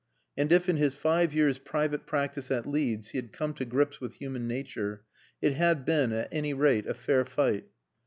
And if in his five years' private practice in Leeds he had come to grips with human nature, it had been at any rate a fair fight.